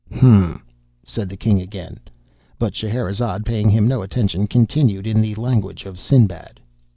'" (*2) "Hum!" said the king, again; but Scheherazade, paying him no attention, continued in the language of Sinbad.